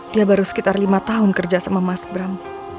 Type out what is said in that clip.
dia baru sekitar lima tahun kerja sama mas bram